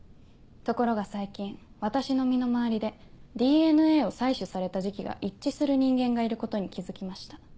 ところが最近私の身の回りでＤＮＡを採取された時期が一致する人間がいることに気付きました。